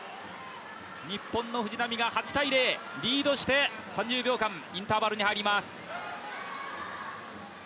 日本の藤波が８−０リードして３０秒間インターバルに入ります。